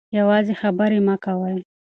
یوازې خبرې مه کوئ.